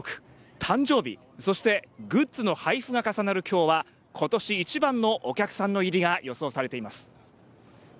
誕生日、そしてグッズの配布が重なる今日は今年一番のお客さんの入りが予想されています。